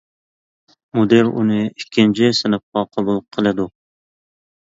مۇدىر ئۇنى ئىككىنچى سىنىپقا قوبۇل قىلىدۇ.